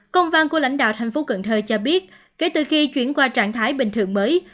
công văn của lãnh đạo thành phố cần thơ cho biết kể từ khi chuyển qua trạng thái bình thường mới